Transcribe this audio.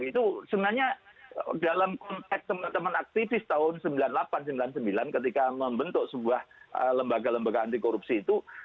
itu sebenarnya dalam konteks teman teman aktivis tahun seribu sembilan ratus sembilan puluh delapan sembilan puluh sembilan ketika membentuk sebuah lembaga lembaga anti korupsi itu